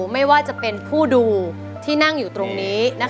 ไม่ว่าจะเป็นผู้ดูที่นั่งอยู่ตรงนี้